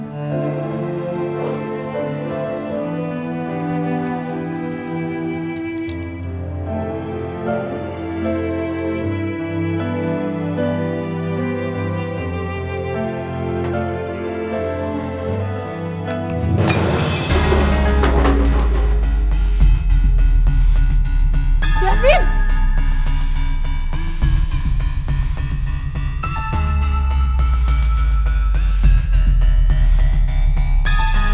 nah dapet ngeliatin susah aja